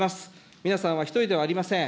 皆さんは一人ではありません。